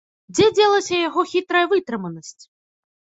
Дзе дзелася яго хітрая вытрыманасць!